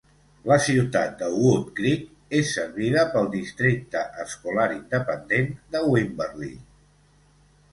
La ciutat de Woodcreek és servida pel districte escolar independent de Wimberley.